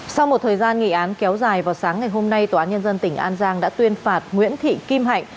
sau một thời gian nghị án kéo dài vào sáng ngày hôm nay tòa án nhân dân tỉnh an giang đã tuyên phạt nguyễn thị kim hạnh